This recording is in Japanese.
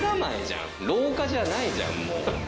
廊下じゃないじゃん。